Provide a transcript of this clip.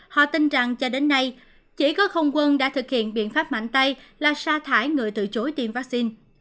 họ tin rằng cho đến nay chỉ có không quân đã thực hiện biện pháp mạnh tay là sa thải người từ chối tiêm vaccine